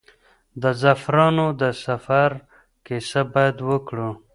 د زعفرانو د سفر کیسه باید وکړو.